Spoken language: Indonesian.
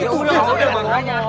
ya udah udah mah nanya